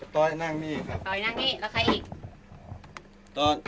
ต้อยนั่งนี่ครับ